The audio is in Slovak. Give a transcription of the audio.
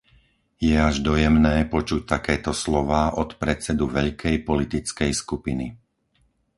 Je až dojemné počuť takéto slová od predsedu veľkej politickej skupiny.